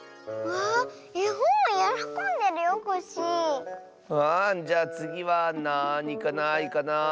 わあじゃあつぎはなにかないかなあ。